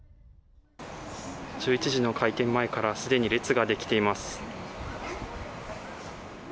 １１時の開店前からすでに列ができています。